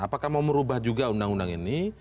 apakah mau merubah juga undang undang ini